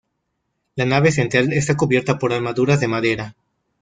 La nave central está cubierta por armaduras de madera.